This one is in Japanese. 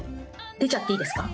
出ちゃっていいですか？